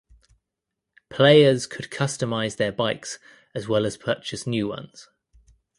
Players could customize their bikes as well as purchase new ones.